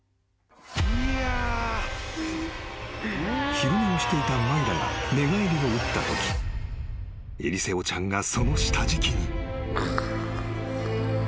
［昼寝をしていたマイラが寝返りを打ったときエリセオちゃんがその下敷きに］